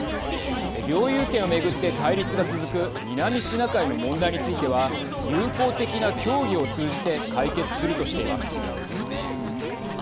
領有権を巡って対立が続く南シナ海の問題については友好的な協議を通じて解決するとしています。